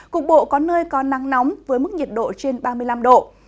cục bộ có nơi có nắng nóng với mức nhiệt độ trên ba mươi năm độ